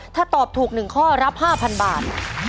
ถ้าตอบถูก๑ข้อรับ๕๐๐บาท